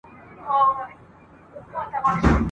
د کیږدۍ ښکلي دربدري ګرځي !.